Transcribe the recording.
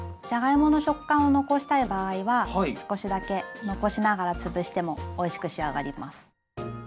じゃがいもの食感を残したい場合は少しだけ残しながら潰してもおいしく仕上がります。